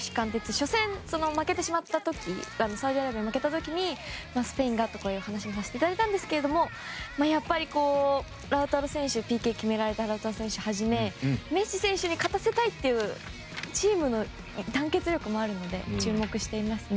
初戦、負けてしまった時にサウジアラビアに負けた時にスペインって話もさせていただいたんですけどラウタロ選手ねＰＫ決められたラウタロ選手はじめメッシ選手に勝たせたいというチームの団結力もあるので注目していますね。